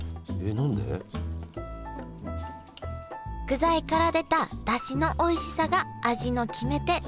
具材から出ただしのおいしさが味の決め手